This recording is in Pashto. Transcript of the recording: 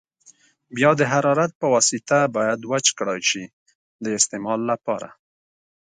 بیا د حرارت په واسطه باید وچ کړای شي د استعمال لپاره.